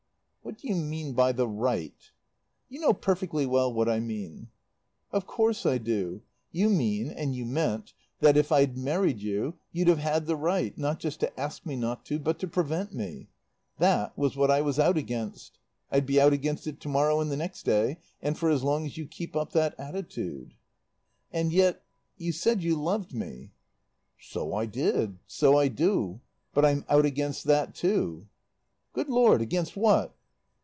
"What do you mean by the right?" "You know perfectly well what I mean." "Of course I do. You mean, and you meant that if I'd married you you'd have had the right, not just to ask me not to, but to prevent me. That was what I was out against. I'd be out against it tomorrow and the next day, and for as long as you keep up that attitude." "And yet you said you loved me." "So I did. So I do. But I'm out against that too." "Good Lord, against what?"